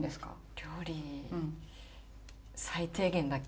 料理最低限だけ。